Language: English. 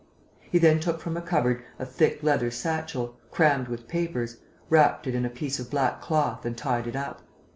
He then took from a cupboard a thick leather satchel, crammed with papers, wrapped it in a piece of black cloth and tied it up.